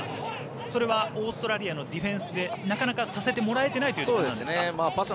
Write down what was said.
それはオーストラリアのディフェンスでなかなかさせてもらえてないというところですか。